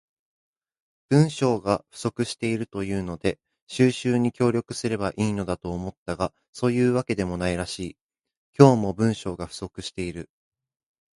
文章が不足しているというので収集に協力すれば良いのだと思ったが、そういうわけでもないらしい。今日も、文章が不足している。